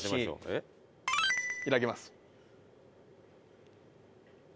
いただきます。